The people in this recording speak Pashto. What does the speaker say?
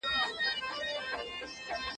بې له قدرته د پرېکړو پلي کول ناسوني وو.